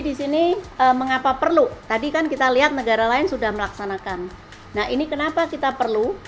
di sini mengapa perlu tadi kan kita lihat negara lain sudah melaksanakan nah ini kenapa kita perlu